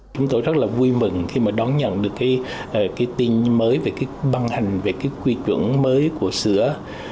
chúng tôi rất là vui mừng khi mà đón nhận được cái tin mới về cái băng hành về cái quy chuẩn mới của sữa